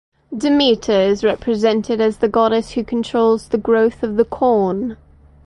Demeter is represented as the goddess who controls the growth of the corn.